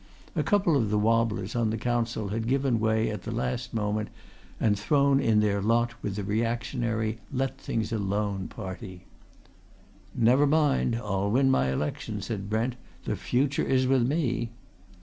A couple of the wobblers on the Council had given way at the last moment and thrown in their lot with the reactionary, let things alone party. "Never mind! I'll win my election," said Brent. "The future is with me."